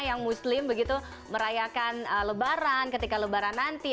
yang muslim begitu merayakan lebaran ketika lebaran nanti